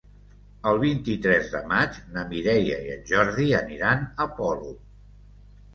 El vint-i-tres de maig na Mireia i en Jordi aniran a Polop.